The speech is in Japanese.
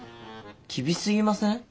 厳しすぎません？